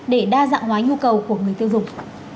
để đa dạng hóa nhu cầu của người tiêu dùng